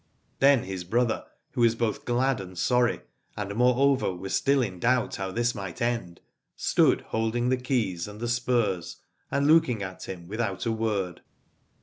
Then his brother, who was both glad and sorry, and moreover was still in doubt how this might end, stood holding the keys and the spurs, and looking at him without a word.